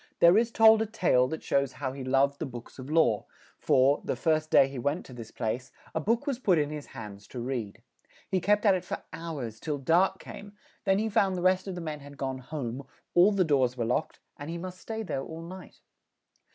There is told a tale that shows how he loved the books of law; for, the first day he went to this place, a book was put in his hands to read; he kept at it for hours, till dark came; then he found the rest of the men had gone home; all the doors were locked; and he must stay there all night.